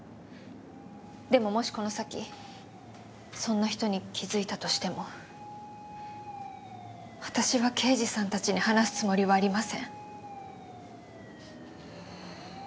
でももしこの先そんな人に気づいたとしても私は刑事さんたちに話すつもりはありません。